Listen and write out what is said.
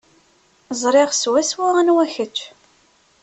Ẓriɣ swaswa anwa kečč.